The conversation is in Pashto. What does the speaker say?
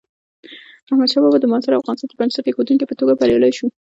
احمدشاه بابا د معاصر افغانستان د بنسټ ایښودونکي په توګه بریالی شو.